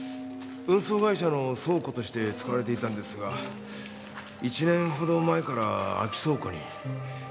運送会社の倉庫として使われていたんですが１年ほど前から空き倉庫に。